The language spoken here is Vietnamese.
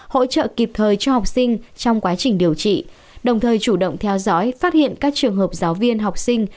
hỗ trợ kịp thời cho học sinh trong quá trình điều trị đồng thời chủ động theo dõi phát hiện các trường hợp giáo viên học sinh